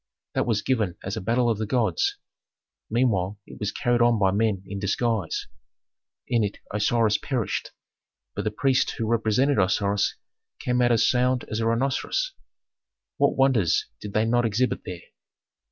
That was given as a battle of the gods; meanwhile it was carried on by men in disguise. In it Osiris perished, but the priest who represented Osiris came out as sound as a rhinoceros. What wonders did they not exhibit there!